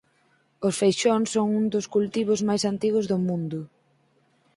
Os feixóns son un dos cultivos máis antigos do mundo.